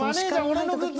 俺のグッズ